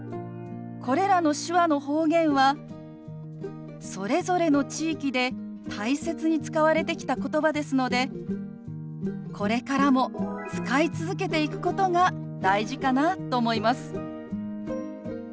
これらの手話の方言はそれぞれの地域で大切に使われてきた言葉ですのでこれからも使い続けていくことが大事かなと思います。